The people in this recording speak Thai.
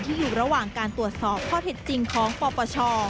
อยู่ระหว่างการตรวจสอบข้อเท็จจริงของปปช